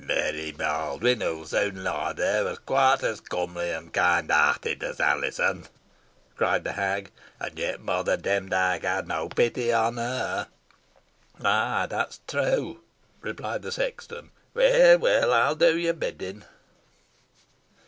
"Mary Baldwyn, who will soon lie there, was quite as comely and kind hearted as Alizon," cried the hag, "and yet Mother Demdike had no pity on her." "An that's true," replied the sexton. "Weel, weel; ey'n do your bidding."